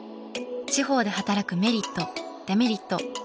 地方で働くメリットデメリット